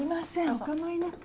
お構いなく。